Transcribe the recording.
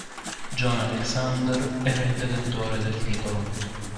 John Alexander era il detentore del titolo.